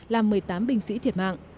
làm một mươi tám binh sĩ thiệt mạng